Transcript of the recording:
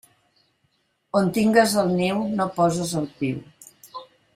On tingues el niu, no poses el piu.